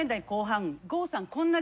郷さん。